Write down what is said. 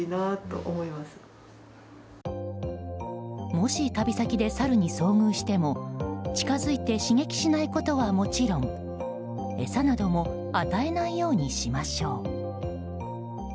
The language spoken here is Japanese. もし、旅先でサルに遭遇しても近づいて刺激しないことはもちろん餌なども与えないようにしましょう。